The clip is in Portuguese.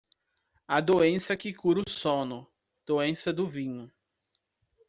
A doença que cura o sono, doença do vinho.